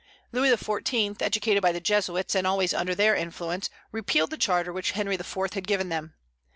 Louis XIV., educated by the Jesuits and always under their influence, repealed the charter which Henry IV. had given them.